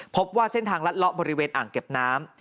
พบว่าเส้นทางลัดเลาะบริเวณอ่างเก็บน้ำ